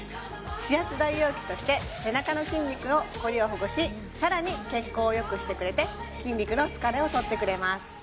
指圧代用器として背中の筋肉のコリをほぐしさらに血行をよくしてくれて筋肉の疲れをとってくれます